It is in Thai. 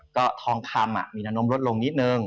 ก็ทองคำมีนานนมลดลงนิดนึง